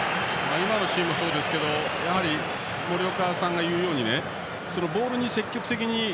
今のシーンもそうですけど森岡さんが言うようにボールに積極的に。